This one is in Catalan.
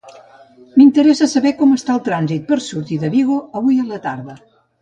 M'interessa saber com està el trànsit per sortir de Vigo avui a la tarda.